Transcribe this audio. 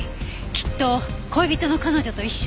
きっと恋人の彼女と一緒に。